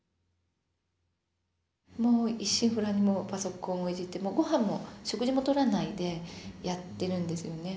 もう一心不乱にパソコンをいじって食事もとらないでやってるんですよね。